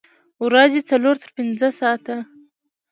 ورځې څلور تر پنځه ساعته